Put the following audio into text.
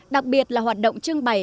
đặc biệt là hoạt động trưng bày